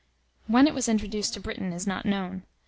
When it was introduced to Britain is not known.